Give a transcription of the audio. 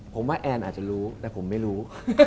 ผมว่าแอนอาจจะรู้แต่ผมไม่รู้